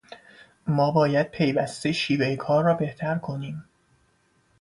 ما باید پیوسته شیوهٔ کار را بهتر کنیم.